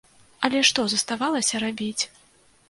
Але што заставалася рабіць?